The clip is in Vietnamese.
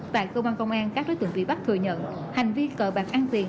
tại công an công an các đối tượng bị bắt thừa nhận hành vi cờ bạc ăn tiền